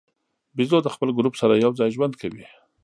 بیزو د خپل ګروپ سره یو ځای ژوند کوي.